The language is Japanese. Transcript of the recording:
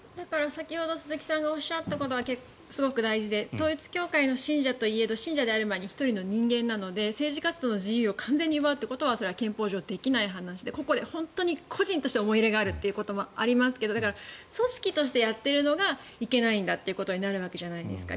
先ほど鈴木さんがおっしゃったことはすごく大事で統一教会の信者といえども信者である前に１人の人間なので政治活動の自由を完全に奪うことは憲法上できない話で個人として思い入れがあるということもありますけどだから組織としてやっているのがいけないんだということになるわけじゃないですか。